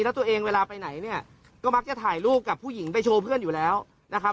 แล้วตัวเองเวลาไปไหนเนี่ยก็มักจะถ่ายรูปกับผู้หญิงไปโชว์เพื่อนอยู่แล้วนะครับ